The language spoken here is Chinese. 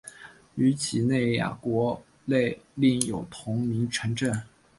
于几内亚国内另有同名城镇。